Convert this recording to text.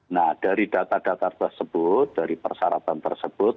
nah dari data data tersebut dari persyaratan tersebut